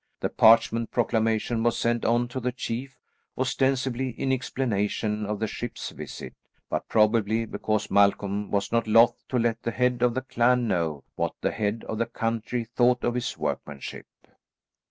The parchment proclamation was sent on to the chief, ostensibly in explanation of the ship's visit, but probably because Malcolm was not loth to let the head of the clan know what the head of the country thought of his workmanship.